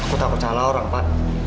aku tak percaya orang pak